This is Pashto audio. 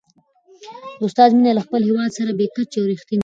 د استاد مینه له خپل هېواد سره بې کچې او رښتینې وه.